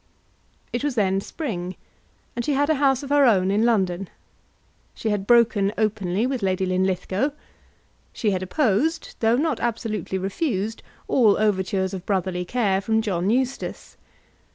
It was then spring, and she had a house of her own in London. She had broken openly with Lady Linlithgow. She had opposed, though not absolutely refused, all overtures of brotherly care from John Eustace.